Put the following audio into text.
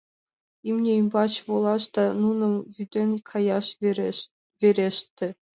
Имне ӱмбач волаш да нуным вӱден каяш вереште.